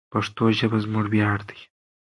پښتو ژبه زموږ ویاړ دی.